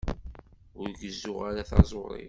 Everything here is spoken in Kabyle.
Ur gezzuɣ ara taẓuri.